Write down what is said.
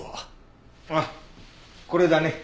あっこれだね。